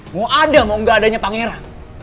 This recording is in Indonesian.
mau ada mau gak adanya pangeran